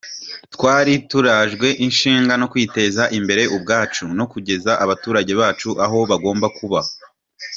Twari turajwe ishinga no kwiteza imbere ubwacu no kugeza abaturage bacu aho bagomba kuba”